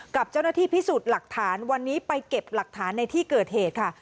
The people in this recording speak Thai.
กับเจ้าหน้าที่พิสูจน์หลักฐานวันนี้ไปเก็บหลักฐานในที่เกิดเหตุค่ะ